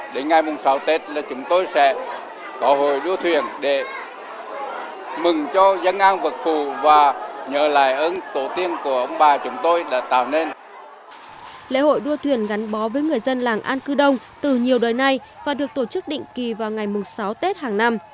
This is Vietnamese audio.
lễ hội đua thuyền gắn bó với người dân làng an cư đông từ nhiều đời nay và được tổ chức định kỳ vào ngày sáu tết hàng năm